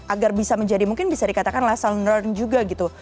agar bisa menjadi mungkin bisa dikatakan lesson nurn juga gitu